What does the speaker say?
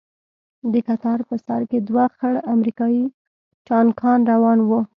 د کتار په سر کښې دوه خړ امريکايي ټانکان روان وو.